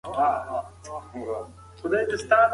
د پایلو د ارزیابۍ پروسه اوږده وخت نیسي.